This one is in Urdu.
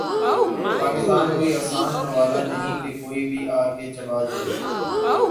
پاکستان کوئی آسان نوالہ نہیں کہ کوئی بھی آ کے چبا جائے۔